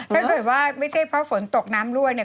ถ้าเกิดว่าไม่ใช่เพราะฝนตกน้ำรั่วเนี่ย